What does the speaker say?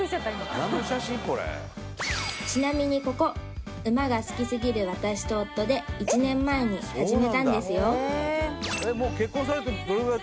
ちなみにここウマが好きすぎる私と夫で１年前に始めたんですよ